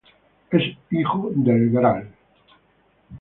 Es hijo del Gral.